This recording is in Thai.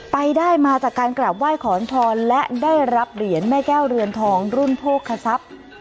ไปได้มาจากการกราบไหว้ขอนพรและได้รับเหรียญแม่แก้วเรือนทองรุ่นโภคศัพย์